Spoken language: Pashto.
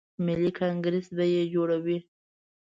ملي کانګریس به یې جوړوي.